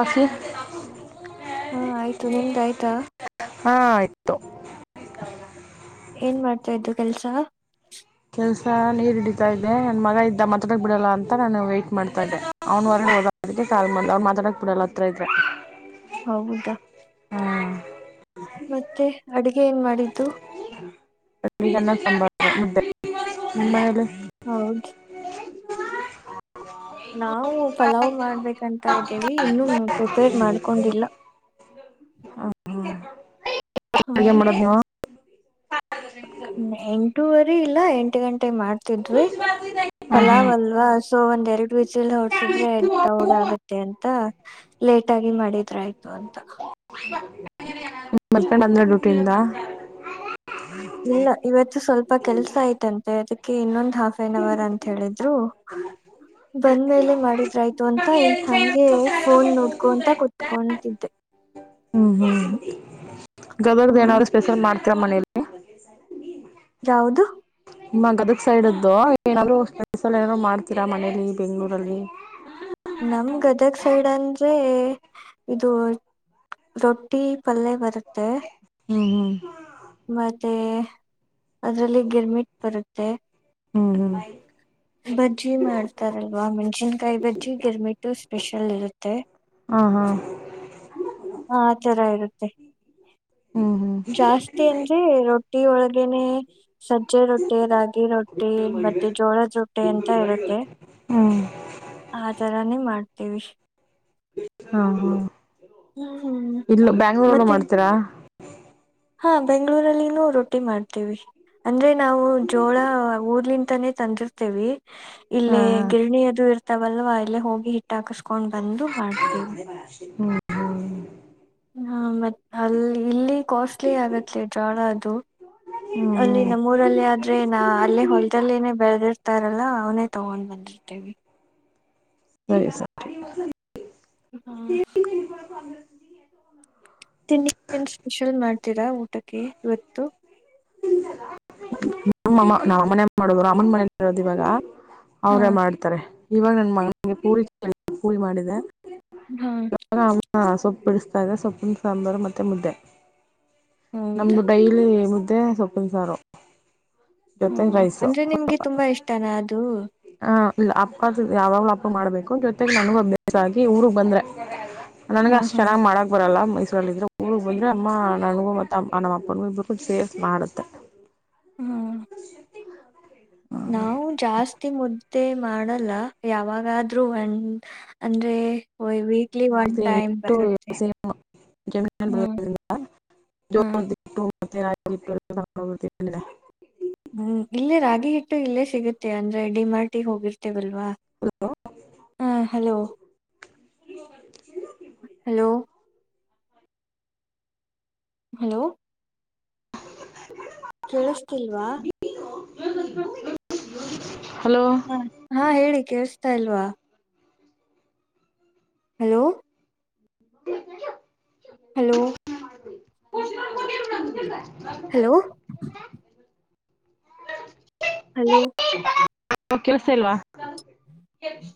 ಅಸಿ [unintelligible] ಹಾ ಆಯ್ತು ನಿಮ್ದ ಆಯ್ತಾ ಹಾ ಆಯ್ತು ಏನ್ ಮಾಡ್ತಾ ಇದ್ದು ಕೆಲ್ಸ. ಕೆಲ್ಸ ನೀರ್ ಹಿಡಿತಾ ಇದ್ದೆ ನನ್ ಮಗ ಇದ್ದ ಮಾತಡಕ್ಕ ಬಿಡಲ್ಲ ಅಂತ ನಾನು ವೇಟ್ ಮಾಡ್ತಾ ಇದ್ದೆ. ಅವ್ನ ಹೊರಗಡೆ ಹೋದ ಅದಕ್ಕೆ ಕಾಲ್ ಮಾಡ್ದೇ ಅವ್ನ್ ಮಾತಾಡಕ್ ಬಿಡಲ್ಲ ಹತ್ರ ಇದ್ರೆ. ಹೌದಾ. ಮತ್ತೆ ಅಡಗೆ ಏನ್ ಮಾಡಿದ್ದು. [unintelligible] ಹೌದ್ ನಾವು ಪಲಾವ್ ಮಾಡ್ಬೇಕಂತ ಇದೀವಿ ಇನ್ನು ಪ್ರಿಪೇರ್ ಮಾಡ್ಕೊಂಡಿಲ್ಲ. [inaudible] ಹ ಏನ್ ಅಡ್ಗೆ ಮಾಡೋದು ನೀವು. [inaudible] ಎಂಟೂುವರೀ ಇಲ್ಲ ಎಂಟ ಗಂಟೆ ಮಾಡ್ತಿದ್ವಿ. ಹ್ಮ್ ಪಲಾವ್ ಹ್ಮ್ ಅಲ್ವಾ, ಸೊ ಒಂದ್ ಎರಡು ವಿಜಲ್ ಹೊಡಸಿದ್ರೆ ದೌಡ್ ಆಗತ್ತೆ ಅಂತ ಲೇಟಾಗಿ ಮಾಡಿದ್ರ ಆಯ್ತು ಅಂತ. [inaudible] [unintelligible] ರೂಟಿಯಿಂದ ಇಲ್ಲ ಇವತ್ತು ಸ್ವಲ್ಪ ಕೆಲ್ಸ ಆಯ್ತಂತೆ ಅದಕ್ಕೆ ಇನ್ನೊಂದು, ಹಾಫ್ ಆನ್ ಅವರ್ ಅಂತ ಹೇಳಿದ್ರು ಬಂದ ಮೇಲೆ ಮಾಡಿದ್ರ ಆಯ್ತು ಅಂತ. ಹಂಗೆ ಫೋನ್ ನೋಡ್ಕೊಂತ ಕುತ್ಕೊಂತಿದ್ದೆ. ಹ್ಮ್ ಹ್ಮ್ ಗದಗದ ಹ್ಮ್ ಏನಾದ್ರು ಸ್ಪೆಷಲ್ ಮಾಡ್ತಿಯ ಮನೇಲಿ. [inaudible] ಯಾವುದು. ನಿಮ್ಮ ಗದಗ್ ಸೈಡ್ದ್ದು ಏನಾದರು ಸ್ಪೆಷಲ್ ಏನಾರು ಮಾಡ್ತೀರಾ ಮನೇಲಿ ಬೆಂಗ್ಳೂರಲ್ಲಿ. ನಮ್ ಗದಗ್ ಸೈಡ್ ಅಂದ್ರೆ ಇದು, ರೊಟ್ಟಿ ಪಲ್ಯ್ ಬರತ್ತೆ. ಹ್ಮ್, ಹ್ಮ್ ಮತ್ತೆ ಅದರಲ್ಲಿ ಗಿರ್ಮಿಟ್ ಬರುತ್ತೆ. ಹ್ಮ್, ಹ್ಮ [inaudible] ಬಜ್ಜಿ ಮಾಡ್ತಾರಲ್ವಾ, ಮೆಣಸಿನಕಾಯಿ ಬಜ್ಜಿ, ಗಿರ್ಮಿಟ್ ಸ್ಪೆಷಲ್ ಇರತ್ತೆ. ಹಾ, ಹಾ ಹಾ ತರ ಇರತ್ತೆ. ಹ್ಮ್ ಹ್ಮ್ ಜಾಸ್ತಿ [unintelligible] ರೊಟ್ಟಿ ಒಳಗನೆ ಸಜ್ಜಿ ರೊಟ್ಟಿ, ರಾಗಿ ರೊಟ್ಟಿ, ಟಿ ಮತ್ತೆ ಜೋಳ ರೋಟ್ಟೆ ಅಂತ ಇರುತ್ತೆ. ಹ್ಮ್ ಆ ತರಾನೇ ಮಾಡ್ತಿವಿ. ಹಾ ಹ ಹ್ಮ್ ಇಲ್ ಬೆಂಗಳೂರು ಮತ್ತೆ ಮಾಡ್ತೀರಾ. ಹಾ ಬೆಂಗಳೂರ್ ಅಲ್ಲಿನೂ ರೊಟ್ಟಿ ಮಾಡ್ತಿವಿ. ಅಂದ್ರೆ ನಾವು ಜೋಳ ಊರ್ಲಿಂತನೇ ತಂದಿರ್ತಿವಿ. ಹಾ ಇಲಿ ಹಾ ಗಿರಣಿ ಅದು ಇರ್ ತವಲ್ವ ಅಲ್ಲೇ ಹೋಗಿ ಹಿಟ್ಟ ಹಾಕಸ್ಕೊಂಡ್ ಬಂದು ಮಾಡ್ತಿವಿ. ಹ್ಮ್. ಹ್ಮ ಮತ್ ಅಲ್ಲಿ ಇಲ್ಲಿ ಕಾಸ್ಟ್ಲಿ ಆಗತ್ತೆ ಜ್ವಾಳ ಅದು ಹ್ಮ್ ಅಲ್ಲಿ. ಹ್ಮ್ ಊರಲ್ಲಿ ಆದ್ರೆ ನ ಅಲ್ಲೇ ಹೊಲದಲ್ಲಿೇನೇ ಬೆಳೆದಿರ್ತಾರಲ್ಲಾ ಅವನೇ ತಗೊಂಡ್ ಬಂದೇರ್ತೇವಿ. ಸರಿ, ಸರಿ ಹಾ. [inaudible] ತಿಂಡಿ ಏನ್ ಸ್ಪೆಷಲ್ ಮಾಡ್ತೀರಾ ಊಟಕ್ಕೆ ಇವತ್ತು ನಾ ಅಮ್ಮನೆ ಮಾಡೋದು ಅಮ್ಮನ ಮನಲಿ ಇರೋದು ಇವಾಗ ಹಾ ಅವ್ರೇ ಮಾಡ್ತಾರೆ ಇವಾಗ ನನ್ ಮನಗೆ ಪೂರಿ ಪೂರಿ ಮಾಡಿದೆ ಹಾ ಹಾ ಸೊಪ್ಪು ಬಿಡಿಸತಾ ಇದೆ ಸೊಪ್ಪಿನ ಸಾಂಬಾರು ಮತ್ತೆ ಮುದ್ದೆ ಹೌದಾ ನಮ ಡೈಲಿ ಮುದ್ದೆ ಸೊಪ್ಪಿನಸಾರ ಹ್ಮ ಜೊತೆಗೆ ರೈಸ್ ಅಂದ್ರೆ ನಿಮ್ಗೆ ತುಂಬಾ ಇಷ್ಟನಾ ಅದು ಹ ಅಪ್ಪ ಯಾವಾವ್ಲೂ ಹಪ್ಪ ಮಾಡ್ಬೇಕು ಜೊತೆಗೆ ನನಗೂ ಅಭ್ಯಾಸ ಆಗಿ ಊರ್ಗ್ ಬಂದ್ರೆ ನನ್ಗೆ ಹಾ ಅಷ್ಟ್ ಹಾ ಚೆನ್ನ್ ಮಾಡಕ್ ಬರಲ್ಲ ಮೈಸೂರಲ್ಲ ಇದ್ರು ಊರಿಗೆ ಬಂದ್ರೆ ಅಮ್ಮ ನನಗೂ ಹ ಮತ್ತ ನಮ್ಮ ಅಪ್ಪ ಇಬ್ಬರು ಸೇರಿಸಿ ಮಾಡುತ್ತೆ ಹ್ಮ ನಾವು ಜಾಸ್ತಿ ಮುದ್ದೆ ಮಾಡಲ್ಲ ಯಾವಾಗಾದ್ರೂ ಒಂದ್ ಅಂದ್ರೆ ಒನ್ ಟೈಮ್ ಬರುತ್ತೆ. [inaudible] ಹ್ಮ್. ಹ್ಮ್. [unintelligible] [unintelligible] ಹ್ಮ್ ಇಲ್ಲೇ ರಾಗಿ ಹಿಟ್ಟು ಇಲ್ಲೇ ಸಿಗುತ್ತೆ ಅಂದ್ರೆ ಡಿ ಮಾರ್ಟಿ ಹೋಗಿರ್ತೀವಲ್ವಾ ಹಲೋ ಹಾ ಹಲೋ ಹಲೋ ಹಲೋ [unintelligible] [inaudible] ಕೇಳಿಸ್ತಿಲ್ವಾ [unintelligible] [inaudible] ಹಾ ಹಾ ಹೇಳಿ ಕೇಳ್ಸ್ತಾ ಇಲ್ವಾ ಹಲೋ [unintelligible] ಹಲೋ [unintelligible] ಹಲೋ ಹಲೋ ಕೇಳಿಸ್ತಿಲ್ವಾ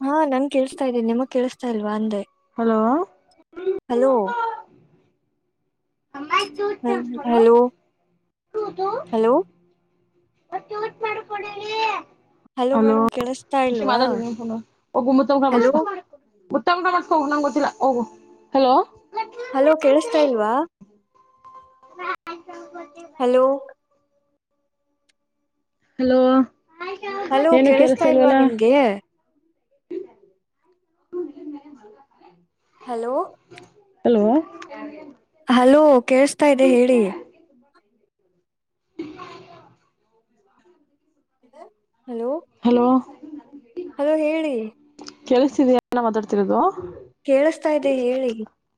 ಹಾ ನನ್ಗ್ ಕೇಳ್ಸತಾ ಇದೆ ನಿಮಗ್ ಕೇಳಿಸ್ತಾ ಇಲ್ವಾ ಅಂದೆ hello hello hello [unintelligible] hello [inaudible] [unintelligible] hello madam ಕೇಳಿಸ್ತಾ ಇಲ್ವಾ? ಹಲೋ ಗತ್ತಮಟ ಮಾಡ್ಸ್ಕ ಹೋಗು ನಂಗೆ ಗೊತ್ತಿಲ್ಲ ಹೋಗು ಹಲೋ ಹಲೋ ಕೇಳಿಸತಾ ಇಲ್ವಾ ಹ ಹಲೋ ಹಲೋ ಹಲೋ ಏನು ಕೆಲ್ಸ ಕೇಳಿಸ್ತಾ ಇಲ್ವಾ ಇಲ್ವಲಾ ನಿಮ್ಗೆ ಹ ಹಲೋ ಹಲೋ ಹಲೋ ಕೇಳ್ಸ್ತಾಇದೆ ಹೇಳಿ [inaudible] ಹಲೋ ಹಲೋ [unintelligible] ಹಲೋ ಹೇಳಿ ಕೇಳಿಸ್ತಿದೆಯಾ ನಾ ಮಾತಾಡ್ತಿರೋದು ಕೇಳಸ್ತಾ ಇದೆ ಹೇಳಿ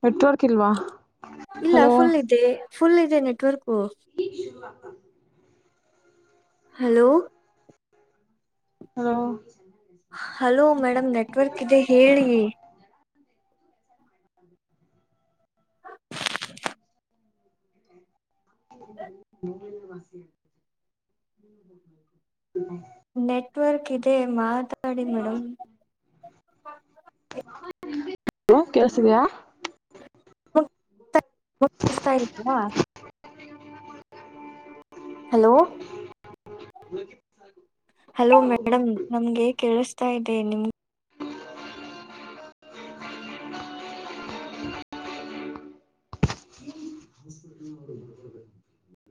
ನೆಟ್ವರ್ಕ್ ಇಲ್ವಾ [unintelligible] ಇಲ್ಲಾ ಹಲೋ ಫುಲ್ ಇದೆ ಫುಲ್ ಇದೆ network [unintelligible] hello hello hello madam network ಇದೆ ಹೇಳಿ. [inaudible] [inaudible] [unintelligible] ನೆಟ್ವರ್ಕ್ ಇದೆ ಮಾತಾಡಿ ಮೇಡಮ್ [unintelligible] ಕೇಳಸ್ತಿದಯಾ [unintelligible] ಇಷ್ಟಾ ಇಲ್ವಾ [inaudible] ಹಲೋ [inaudible] ಹಲೋ ಮೇಡಮ್ ನಮ್ಗೆ ಕೇಳಿಸ್ತಾ ಇದೆ ನಿಮ್ಗೆ [inaudible]